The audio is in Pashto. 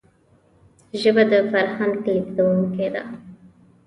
ژبه د فرهنګ لېږدونکی ده